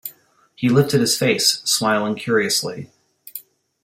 He lifted his face, smiling curiously.